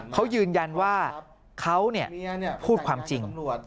เขายืนยันว่าเขาพูดความจริง